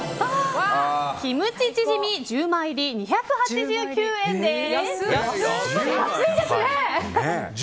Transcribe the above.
キムチチヂミ１０枚入り２８９円です。